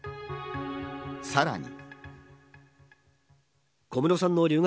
さらに。